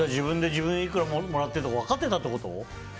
自分がいくらいくらもらってるとか分かってたってこと？